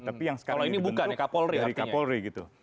tapi yang sekarang ini dibentuk dari kapolri